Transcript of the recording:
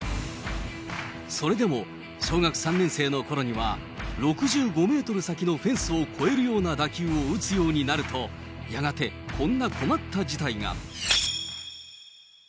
それでも小学３年生のころには６５メートル先のフェンスを越えるような打球を打つようになると、やがて、こんな困った事態が。